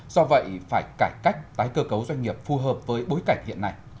do vậy phải cải cách tái cơ cấu doanh nghiệp phù hợp với bối cảnh hiện nay